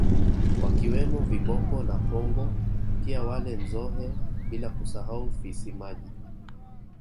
Wakiwemo Viboko na Pongo pia wale Nzohe bila kusahau Fisi maji